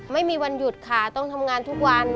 ไม่มีวันหยุดค่ะต้องทำงานทุกวัน